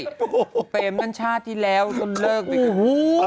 คุณเฟรมนั่นชาติที่แล้วจนเลิกไปกัน